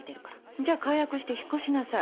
じゃあ解約して引っ越しなさい。